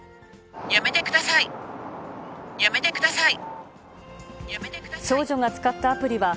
やめてください。